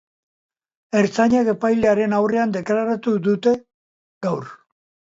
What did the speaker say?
Ertzainek epailearen aurrean deklaratu dute gaur.